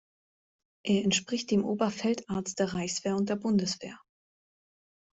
Er entspricht dem Oberfeldarzt der Reichswehr und der Bundeswehr.